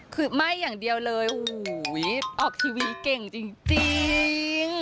คือไหม้อย่างเดียวเลยโอ้โหออกทีวีเก่งจริง